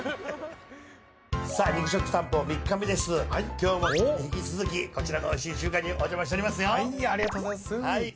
今日も引き続きこちらのおいしい中華にありがとうございます。